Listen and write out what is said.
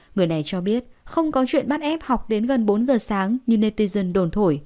người này cho biết không có chuyện bắt ép học đến gần bốn giờ sáng như netizen đồn thổi